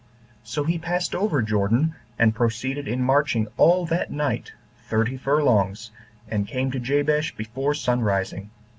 So he passed over Jordan, and proceeded in marching all that night, thirty furlongs, and came to Jabesh before sun rising.